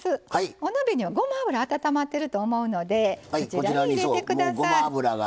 お鍋にはごま油温まっていると思いますのでそちらに入れてください。